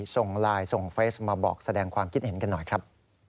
ส่งไลน์ส่งเฟสมาบอกแสดงความคิดเห็นกันหน่อยครับ